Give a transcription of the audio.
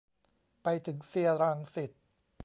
ไปถึงเซียร์รังสิต